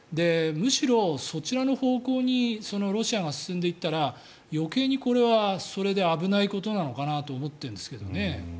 むしろ、そちらの方向にロシアが進んでいったら余計にこれはそれで危ないことなのかなと思ってるんですけどね。